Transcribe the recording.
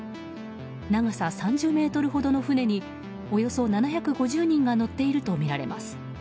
長さ３０ｍほどの船におよそ７５０人が乗っているとみられます。